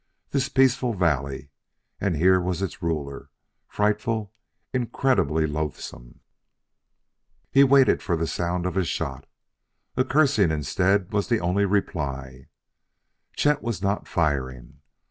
This peaceful valley! and here was its ruler, frightful, incredibly loathsome! He waited for the sound of a shot. A cursing, instead, was the only reply: Chet was not firing!